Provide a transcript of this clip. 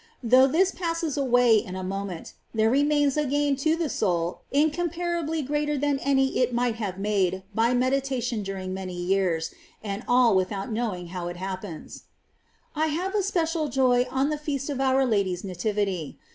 Though this passes away in a moment, there remains a gain to the soul incomparably greater than any it might have made by medita tion during many years ; and all without knowing how it happens. 13. I have a special joy on the Feast of our Lady's Nativity.